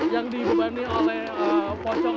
yang dibebani oleh pocong